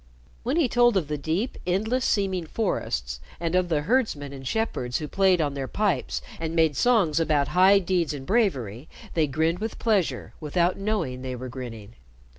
When he told of the deep endless seeming forests, and of the herdsmen and shepherds who played on their pipes and made songs about high deeds and bravery, they grinned with pleasure without knowing they were grinning.